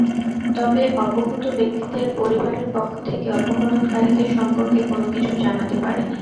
তবে অপহূত ব্যক্তিদের পরিবারের পক্ষ থেকে অপহরণকারীদের সম্পর্কে কোনো কিছু জানাতে পারেনি।